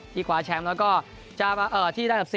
ที่ขวาแชมป์แล้วก็จะมาที่ดับ๔